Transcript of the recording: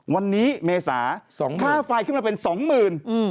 วันนี้เมษาค่าไฟขึ้นมาเป็นสองหมื่น